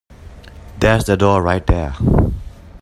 There's the door right there.